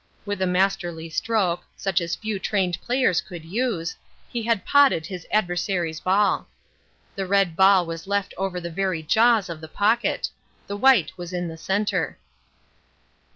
With a masterly stroke, such as few trained players could use, he had potted his adversary's ball. The red ball was left over the very jaws of the pocket. The white was in the centre.